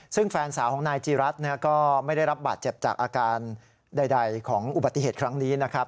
ซึ่งแฟนสาวของนายจีรัฐก็ไม่ได้รับบาดเจ็บจากอาการใดของอุบัติเหตุครั้งนี้นะครับ